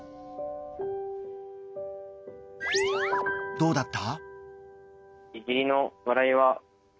どうだった？